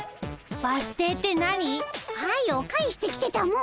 バス停って何？はよ返してきてたも。